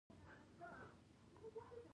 چې هره ورځ لیکل کیږي.